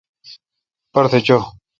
پرتھ چو۔